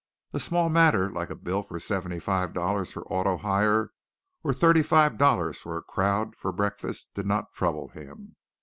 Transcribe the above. A small matter like a bill for $75.00 for auto hire or thirty five dollars for a crowd for breakfast did not trouble him.